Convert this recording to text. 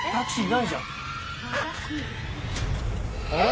あれ？